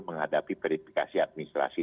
menghadapi verifikasi administrasi